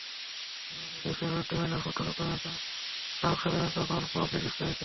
নির্মাণ করেছিলেন road divider, footpath, মুক্তিযোদ্ধা পার্ক, স্বাধীনতা পার্ক, পাবলিক স্কয়ার ইত্যাদি।